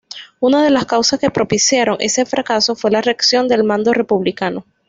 Una de las causas que propiciaron ese fracaso fue la reacción del mando republicano.